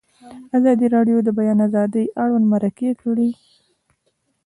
ازادي راډیو د د بیان آزادي اړوند مرکې کړي.